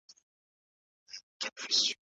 د هري وینا لپاره باید یو منطقي دلیل شتون ولري.